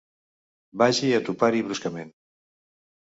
Vagi a topar-hi bruscament.